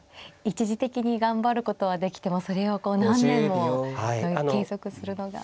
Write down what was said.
一時的に頑張ることはできてもそれをこう何年も継続するのが。